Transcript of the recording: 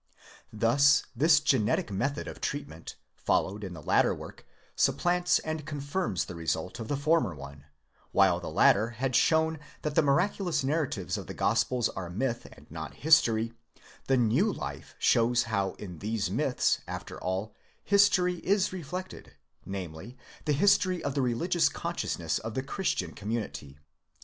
Thus this genetic method of treatment, followed in the later work, supplants and confirms the result of the former one; while the latter had shown that the miraculous narratives in the Gospels are myth and not history, the new Life shows how in these myths, after all, history is reflected, namely, the history of the religious consciousness of the Chris 'tian community.